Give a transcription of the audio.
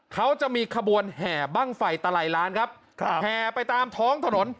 เขาจะมีขบวนแห่บ้างไฟตลายล้านครับแห่ไปตามท้องถนน